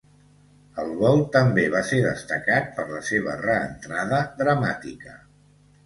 El vol també va ser destacat per la seva reentrada dramàtica.